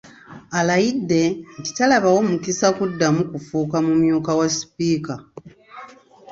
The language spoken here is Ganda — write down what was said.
Alayidde nti talabawo mukisa kuddamu kufuuka mumyuka wa Sipiika.